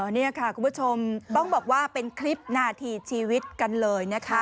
นี่ค่ะคุณผู้ชมต้องบอกว่าเป็นคลิปนาทีชีวิตกันเลยนะคะ